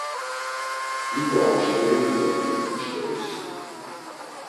Dido amşkorinu dort̆un mçxuris.